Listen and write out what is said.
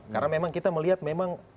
karena memang kita melihat memang